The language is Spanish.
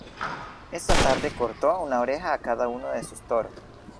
Esa tarde cortó una oreja a cada uno de sus toros.